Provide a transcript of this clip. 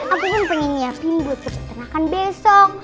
aku kan pengen nyiapin buat cepet tenangkan besok